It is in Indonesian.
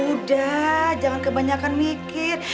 udah jangan kebanyakan mikir